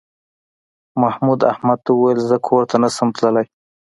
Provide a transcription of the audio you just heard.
محمود احمد ته وویل زه کور ته نه شم تللی.